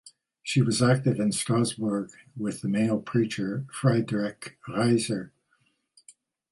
She was active in Strasbourg with the male preacher Friedrich Reiser.